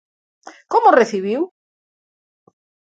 Como o recibiu?